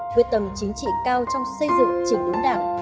với tầng chính trị cao trong xây dựng chỉ đúng đảng